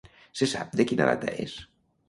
Se sap de quina data és?